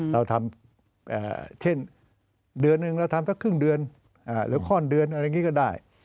เราทำเช่นเดือนหนึ่งเราทำสักครึ่งเดือนหรือข้อนเดือนอะไรอย่างนี้ก็ได้